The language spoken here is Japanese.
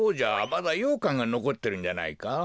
まだようかんがのこってるんじゃないか。